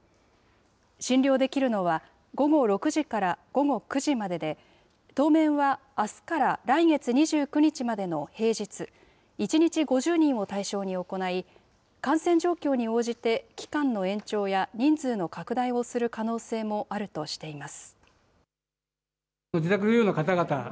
診療できるのは午後６時から午後９時までで、当面はあすから来月２９日までの平日、１日５０人を対象に行い、感染状況に応じて、期間の延長や人数の拡大をする可能性もあるとしています。